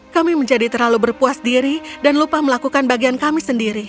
kami menjadi terlalu berpuas diri dan lupa melakukan bagian kami sendiri